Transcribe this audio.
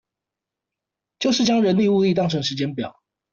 就是將人力物力當成時間表